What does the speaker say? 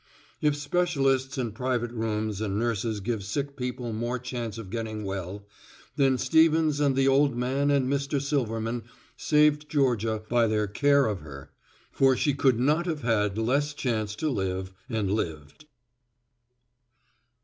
If specialists and private rooms and nurses give sick people more chance of getting well, then Stevens and the old man and Mr. Silverman saved Georgia by their care of her, for she could not have had less chance to live and lived.